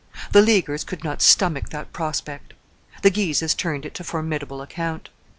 The Leaguers could not stomach that prospect. The Guises turned it to formidable account.